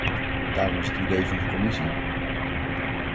Daarom is het idee van de commissie ...